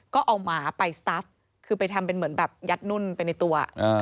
ก็เอาหมาไปสตัฟคือไปทำเป็นเหมือนแบบยัดนุ่นไปในตัว